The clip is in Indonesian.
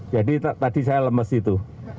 jadi tadi saya lemes itu